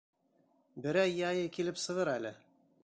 Берәй яйы килеп сығыр әле.